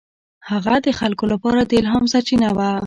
هغه د خلکو لپاره د الهام سرچینه وه.